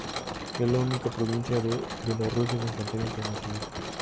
Es la única provincia de Bielorrusia sin frontera internacional.